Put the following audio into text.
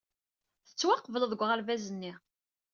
Tettwaqebleḍ deg uɣerbaz-nni.